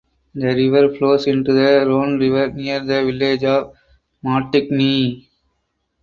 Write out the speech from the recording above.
The river flows into the Rhone river near the village of Martigny.